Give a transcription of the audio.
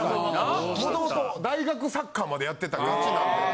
元々大学サッカーまでやってたガチなんで。